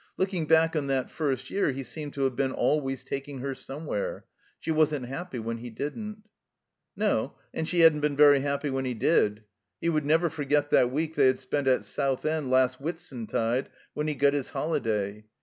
Look ing back on that first year, he seemed to have been always taking her somewhere. She wasn't happy when he didn't. No, and she hadn't been very happy when he did. He would never forget that week they had spent at Southend last Whitsuntide, when he got his holiday.